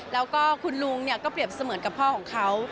แล้วก็คุณลุงเนี่ยก็เปรียบเสมือนกับพ่อของเขา